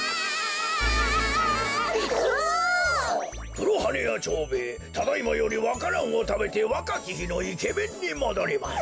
黒羽屋蝶兵衛ただいまよりわか蘭をたべてわかきひのイケメンにもどります。